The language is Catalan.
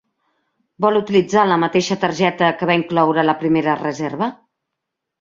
Vol utilitzar la mateixa targeta que va incloure a la primera reserva?